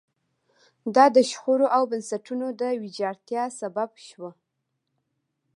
دا د شخړو او بنسټونو د ویجاړتیا سبب شوه.